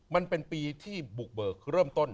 มันเป็นปีที่บุกเบิกเริ่มต้น